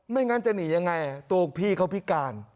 ไม่งั้นจะหนีอย่างไรตัวพี่เขาพิการ